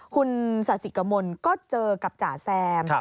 คุณสาธิกมลก็เจอกับจ่าแซม